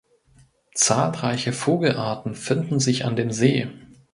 Zahlreiche Vogelarten finden sich an dem See.